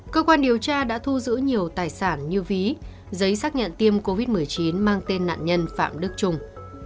cơ quan điều tra đã thu giữ nhiều tài sản như ví giấy xác nhận tiêm covid một mươi chín mang tên nạn nhân phạm đức trung